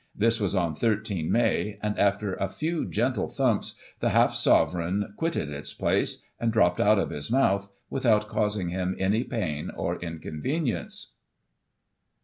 This was on 13 May, and, after a few gentle thumps, the half sovereign quitted its place, and dropped out of his mouth, without caus ing him any pain or inconvenience.